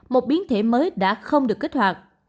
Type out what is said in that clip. một biến thể mới đã không được kết hoạt